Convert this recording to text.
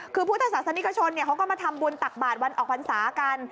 คือพุทธศาสนิกชนเขาก็มาทำบุญตักบาทวันออกพรรษากัน